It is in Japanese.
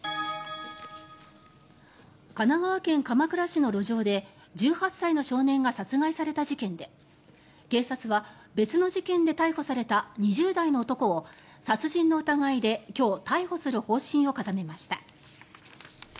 神奈川県鎌倉市の路上で１８歳の少年が殺害された事件で警察は別の事件で逮捕された２０代の男を殺人の疑いで今日、逮捕する方針を固めました。